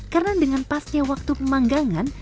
karena dengan pasnya waktu pemanggangan